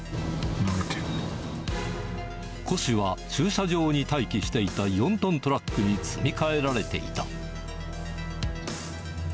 古紙は駐車場に待機していた４トントラックに積み替えられていた。